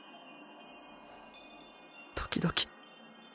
時々。